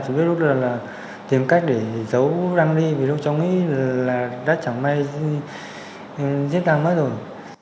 cháu biết lúc đó là tìm cách để giấu đăng đi vì lúc cháu nghĩ là đã chẳng may giết đăng mất rồi